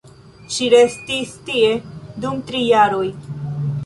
Ŝi restis tie dum tri jaroj.